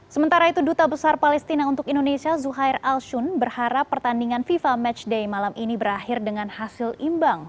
sementara itu duta besar palestina untuk indonesia zuhair al shun berharap pertandingan fifa matchday malam ini berakhir dengan hasil imbang